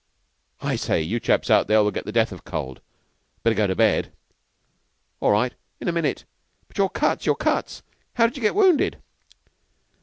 I say, you chaps out there will get your death of cold. Better go to bed." "All right. In a minute. But your cuts your cuts. How did you get wounded?"